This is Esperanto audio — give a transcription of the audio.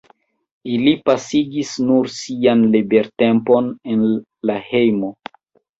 Ili pasigis nur sian libertempon en la hejmo.